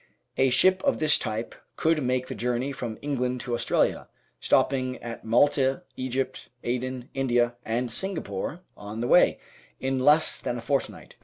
A ship of this type could make the journey from England to Australia, stopping at Malta, Egypt, Aden, India, and Singa pore on the way, in less than a fortnight.